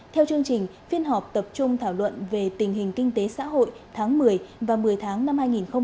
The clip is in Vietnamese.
theo chương trình phiên họp tập trung thảo luận về tình hình kinh tế xã hội tháng một mươi và một mươi tháng năm hai nghìn hai mươi